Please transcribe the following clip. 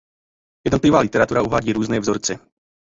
Jednotlivá literatura uvádí různé vzorce.